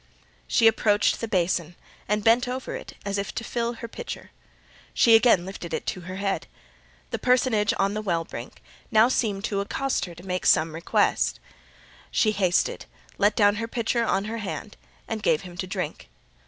She approached the basin, and bent over it as if to fill her pitcher; she again lifted it to her head. The personage on the well brink now seemed to accost her; to make some request:—"She hasted, let down her pitcher on her hand, and gave him to drink."